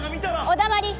お黙り！